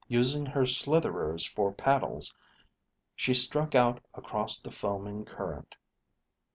Using her slitherers for paddles, she struck out across the foaming current.